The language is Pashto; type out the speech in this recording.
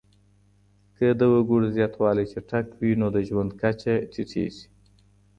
که د وګړو زياتوالی چټک وي نو د ژوند کچه ټيټيږي.